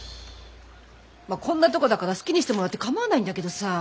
こんなとこだから好きにしてもらって構わないんだけどさ。